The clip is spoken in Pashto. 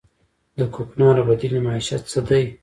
د کوکنارو بدیل معیشت څه دی؟